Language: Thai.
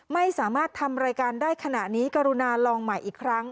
ไม่สามารถทำรายการได้ขณะนี้กรุณาลองใหม่อีกครั้ง